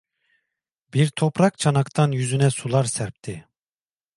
Bir toprak çanaktan yüzüne sular serpti.